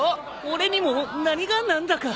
俺にも何が何だか。